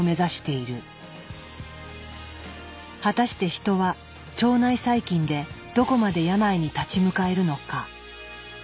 果たして人は腸内細菌でどこまで病に立ち向かえるのか。